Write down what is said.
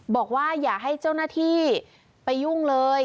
บอกว่าอย่าให้เจ้าหน้าที่ไปยุ่งเลย